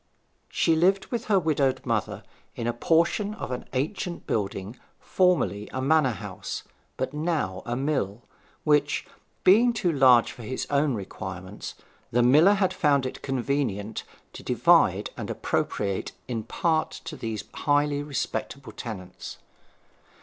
She lived with her widowed mother in a portion of an ancient building formerly a manor house, but now a mill, which, being too large for his own requirements, the miller had found it convenient to divide and appropriate in part to these highly respectable tenants.